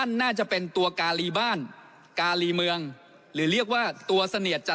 อย่าใช้คำว่าอภิปรายไม่ไวว่องใจ